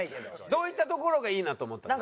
どういったところがいいなと思ったんですか？